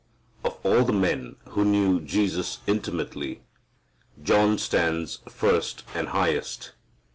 Of all the men who knew Jesus intimately John stands first and highest.